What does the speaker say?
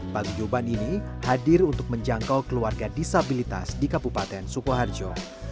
paguyuban ini hadir untuk menjangkau keluarga disabilitas di kabupaten sukoharjo